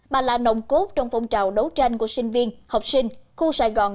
bà là nồng cốt trong phong trào đấu tranh của sinh viên học sinh khu sài gòn